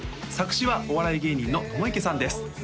作詞はお笑い芸人の友池さんです